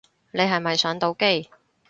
你係咪上到機